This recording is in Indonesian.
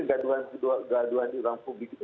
jadi kegaduhan di urang publik itu